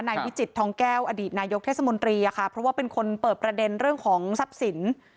วิจิตทองแก้วอดีตนายกเทศมนตรีอะค่ะเพราะว่าเป็นคนเปิดประเด็นเรื่องของทรัพย์สิน